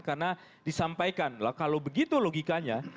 karena disampaikan kalau begitu logikanya